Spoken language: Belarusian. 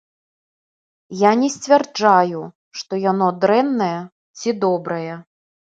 Я не сцвярджаю, што яно дрэннае ці добрае.